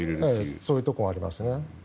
そういうところはあります。